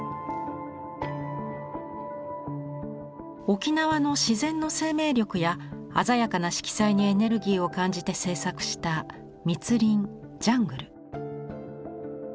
沖縄の自然の生命力や鮮やかな色彩にエネルギーを感じて制作した「密林ジャングル」。